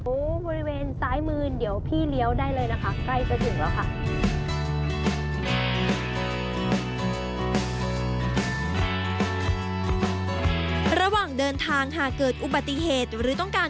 โอ้บริเวณซ้ายมืนเดี๋ยวพี่เลี้ยวได้เลยนะคะ